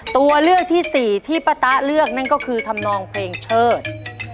ตัวเลือกที่สี่ที่ป้าต๊ะเลือกนั่นก็คือธรรมนองเพลงเชิด